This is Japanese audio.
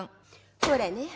ほらね。